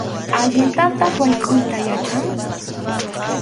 Allintataq waykʼuyta yachan.